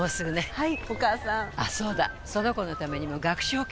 ・はい！